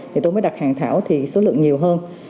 thì tôi mới đặt hàng thảo thì số lượng nhiều hơn